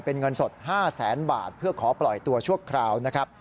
เป็นเงินสด๕๐๐๐๐๐บาทเพื่อขอปล่อยตัวช่วงคราว